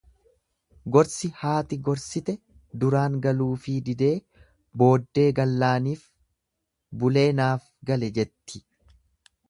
Gorsi haati gorsite duraan galuufii didee, booddee gallaaniif, bulee naaf gale jetti.